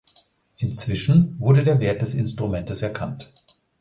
Inzwischen wurde der Wert des Instrumentes erkannt.